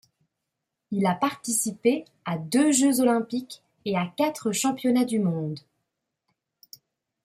Il a participé à deux Jeux olympiques et à quatre Championnats du monde.